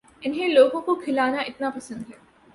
انھیں لوگوں کو کھلانا اتنا پسند ہے